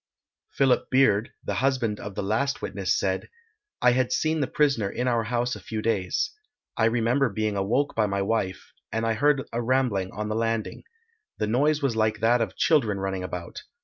Philip Beard, the husband of the last witness, said, I had seen the prisoner in our house a few days. I remember being awoke by my wife, and I heard a rambling on the landing. The noise was like that of children running about.